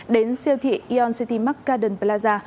đến siêu thị yon city mark garden plaza